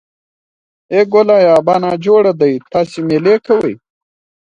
ای ګوليه ابا نا جوړه دی تاسې مېلې کوئ.